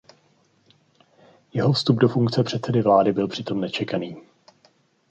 Jeho nástup do funkce předsedy vlády byl přitom nečekaný.